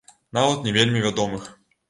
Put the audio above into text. Нават не вельмі вядомых.